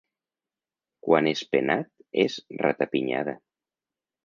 Quan és penat és rata-pinyada.